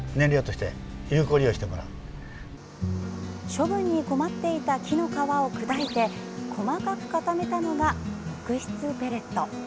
処分に困っていた木の皮を砕いて細かく固めたのが木質ペレット。